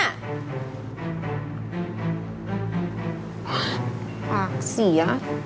ปากเสียง